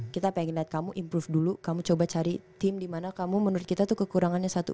kita pengen lihat kamu improve dulu kamu coba cari tim dimana kamu menurut kita tuh kekurangannya satu